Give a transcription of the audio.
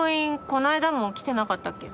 この間も来てなかったっけ？